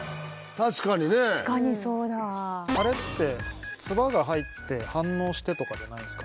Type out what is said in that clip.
確かにそうだあれって唾が入って反応してとかじゃないんですか？